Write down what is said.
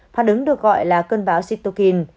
phản ứng được gọi là cơn bão zitokin